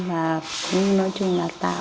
và nói chung là tạo